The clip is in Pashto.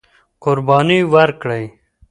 قرباني ورکړئ.